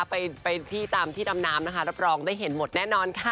ไปที่ตามที่ดำน้ำนะคะรับรองได้เห็นหมดแน่นอนค่ะ